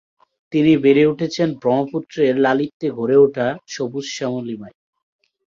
তিনি বেড়ে উঠেছেন ব্রহ্মপুত্রের লালিত্যে গড়ে ওঠা সবুজ শ্যামলিমায়।